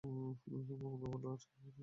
ভ্রমণ বলে আজকাল আর কিছু নেই।